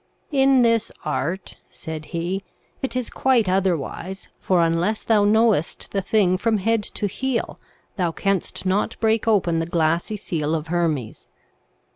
' In this art,' said he, ' it is quite otherwise, for unless thou knowest the thing from head to heel, thou canst not break open the glassy seal of Hermes.